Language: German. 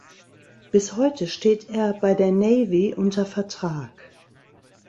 Bis heute steht er bei der Navy unter Vertrag.